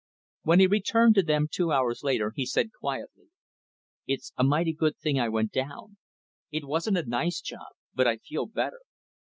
When he returned to them, two hours later, he said, quietly, "It's a mighty good thing I went down. It wasn't a nice job, but I feel better.